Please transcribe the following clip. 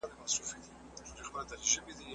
ملي شورا ترانزیتي لاره نه تړي.